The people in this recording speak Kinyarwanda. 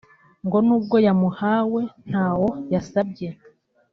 ngo n’ubwo yamuhawe ntawo yasabye